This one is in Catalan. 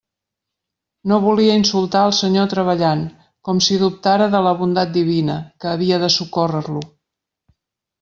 No volia insultar el Senyor treballant, com si dubtara de la bondat divina, que havia de socórrer-lo.